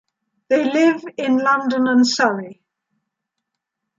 They live in London and Surrey.